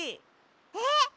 えっ！？